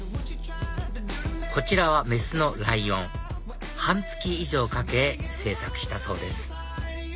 こちらは雌のライオン半月以上かけ制作したそうです